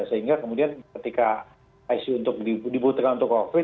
sehingga kemudian ketika icu dibutuhkan untuk kembali